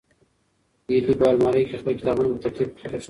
هیلې په المارۍ کې خپل کتابونه په ترتیب کېښودل.